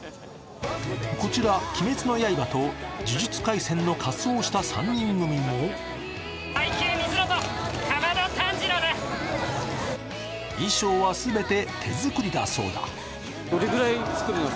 こちら「鬼滅の刃」と「呪術廻戦」の仮装をした３人組も衣装は全て手作りだそうだ。